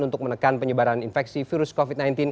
untuk menekan penyebaran infeksi virus covid sembilan belas